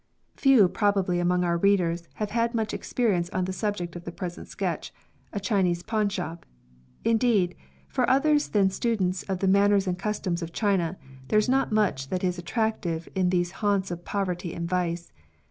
Few probably among our readers have had much experience on the subject of the present sketch — a Chinese pawnshop. Indeed, for others than students of the manners and customs of China, there is not much that is attractive in these haunts 'of poverty and vice.